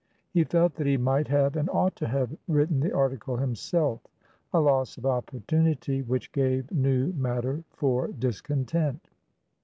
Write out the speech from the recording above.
He felt that he might have, and ought to have, written the article himselfa loss of opportunity which gave new matter for discontent.